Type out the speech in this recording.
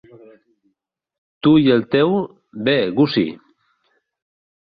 Tu i el teu 'Bé, Gussie'!